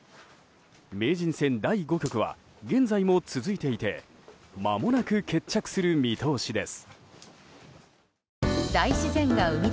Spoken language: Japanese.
名人戦第５局は現在も続いていてまもなく決着する見通しです。